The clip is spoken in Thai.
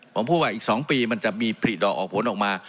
ผมพูดว่าอีก๒ปีมันจะมีผลิดอกออกผลออกมา